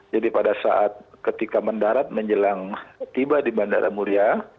jadi pada saat ketika mendarat menjelang tiba di bandara mulia